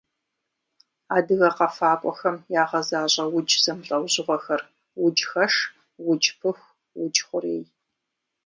Адыгэ къэфакӏуэхэм ягъэзащӏэ удж зэмылӏэужьыгъуэхэр: уджхэш, удж пыху, удж хъурей.